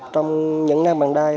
trong những năm bằng đai